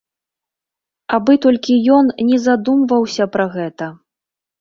Абы толькі ён не задумваўся пра гэта.